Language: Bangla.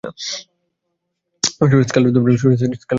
সুরের স্কেলটা একটু উপরে নাও।